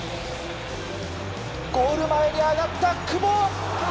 ゴール前に上がった久保！